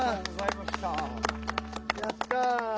やった！